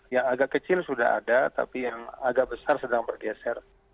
yang agak kecil sudah ada tapi yang agak besar sedang bergeser